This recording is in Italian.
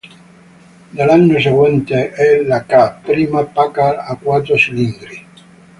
Dell'anno seguente è la "K", prima Packard a quattro cilindri.